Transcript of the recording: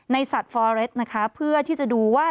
สัตว์ฟอเรสนะคะเพื่อที่จะดูว่า